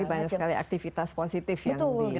jadi banyak sekali aktivitas positif yang dilakukan